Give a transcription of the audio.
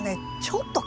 ちょっと